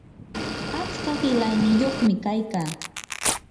atska qilayniyuqmi kaykaa